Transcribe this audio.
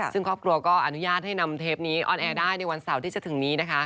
ซึ่งครอบครัวก็อนุญาตให้นำเทปนี้ออนแอร์ได้ในวันเสาร์ที่จะถึงนี้นะคะ